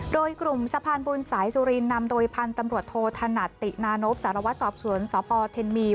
โดยกลุ่มสะพานบุญสายสุรินนำโดยพันธุ์ตำรวจโทษธนัดตินานพสารวัตรสอบสวนสพเทนมี